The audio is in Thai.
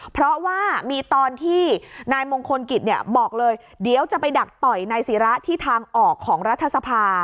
เพราะว่ามีตอนที่นายมงคลกิจบอกเลยเดี๋ยวจะไปดักต่อยนายศิระที่ทางออกของรัฐสภา